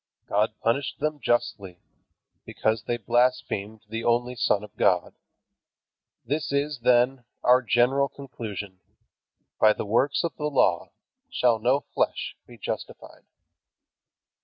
God punished them justly, because they blasphemed the only Son of God. This is, then, our general conclusion: "By the works of the law shall no flesh be justified."